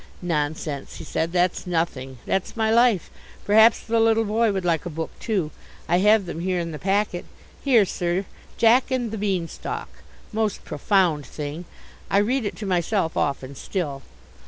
"Nonsense," he said, "that's nothing. That's my life. Perhaps the little boy would like a book too. I have them here in the packet. Here, sir, Jack and the Bean Stalk, most profound thing. I read it to myself often still.